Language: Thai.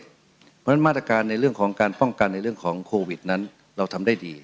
เพราะฉะนั้นมาตรการในเรื่องของการป้องกันในเรื่องของโควิดนั้นเราทำได้ดี